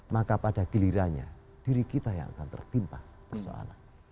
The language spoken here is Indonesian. maka pada gilirannya diri kita yang akan tertimpa persoalan